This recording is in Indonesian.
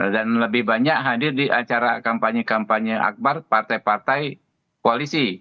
dan lebih banyak hadir di acara kampanye kampanye akbar partai partai koalisi